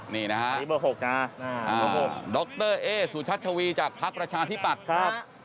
นี่นะครับดรเอ๊สุชัตวีจากพักประชาธิปัตย์